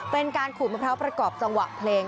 เป็นการขูดมะพร้าวประกอบจังหวะเพลง